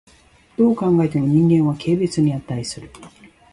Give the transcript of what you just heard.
どう考えても人間は軽蔑に価する。